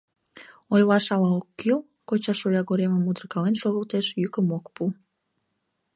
«Ойлаш ала ок кӱл?» — коча шоягоремым удыркален шогылтеш, йӱкым ок пу.